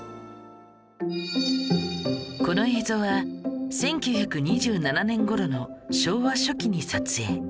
この映像は１９２７年頃の昭和初期に撮影